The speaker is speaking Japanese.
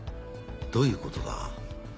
どういうことだ？